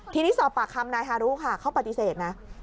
ทีนี้สอบปากคำนายฮารุค่ะเขาปฏิเสธนะ